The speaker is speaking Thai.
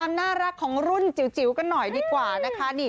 ความน่ารักของรุ่นจิ๋วกันหน่อยดีกว่านะคะ